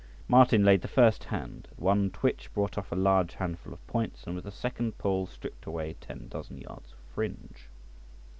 Martin laid the first hand; at one twitch brought off a large handful of points, and with a second pull stripped away ten dozen yards of fringe.